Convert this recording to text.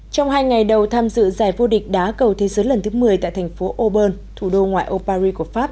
trong hai ngày đầu tham dự giải vô địch đá cầu thế giới lần thứ một mươi tại thành phố auburn thủ đô ngoại o paris của pháp